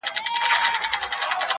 o پر حقیقت به سترگي وگنډي خو,